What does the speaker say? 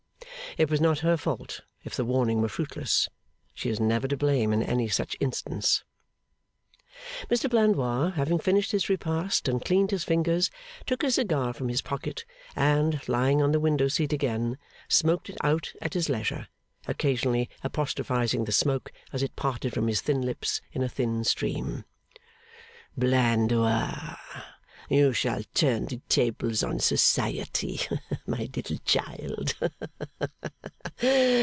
It was not her fault, if the warning were fruitless. She is never to blame in any such instance. Mr Blandois, having finished his repast and cleaned his fingers, took a cigar from his pocket, and, lying on the window seat again, smoked it out at his leisure, occasionally apostrophising the smoke as it parted from his thin lips in a thin stream: 'Blandois, you shall turn the tables on society, my little child.